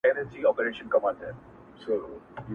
چي یې بیا دی را ایستلی د ګور مړی.!